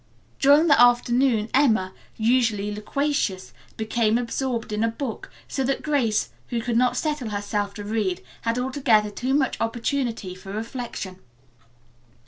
During the afternoon Emma, usually loquacious, became absorbed in a book, so that Grace, who could not settle herself to read, had altogether too much opportunity for reflection.